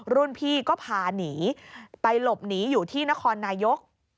รุ่นพี่ก็พาหนีไปหลบหนีอยู่ที่นครนายก